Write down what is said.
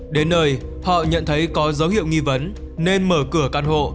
đến nơi họ nhận thấy có dấu hiệu nghi vấn nên mở cửa căn hộ